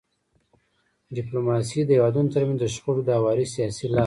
ډيپلوماسي د هیوادونو ترمنځ د شخړو د هواري سیاسي لار ده.